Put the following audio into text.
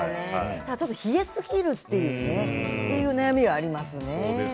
ただ冷えすぎるという悩みはありますよね。